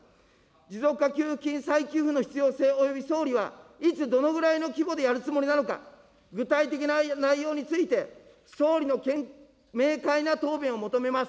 持続化給付金再給付の必要性、および総理はいつ、どのぐらいの規模でやるつもりなのか、具体的な内容について、総理の明解な答弁を求めます。